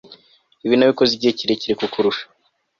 ibi nabikoze igihe kirekire kukurusha